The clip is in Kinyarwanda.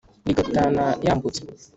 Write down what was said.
Rigatana yambutse.